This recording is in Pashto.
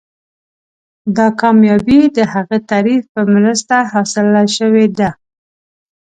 دا کامیابي د هغه تعریف په مرسته حاصله شوې ده.